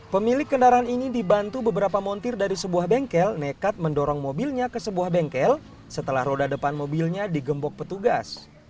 pemilik kendaraan ini dibantu beberapa montir dari sebuah bengkel nekat mendorong mobilnya ke sebuah bengkel setelah roda depan mobilnya digembok petugas